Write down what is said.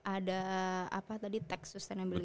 ada apa tadi tech sustainable gitu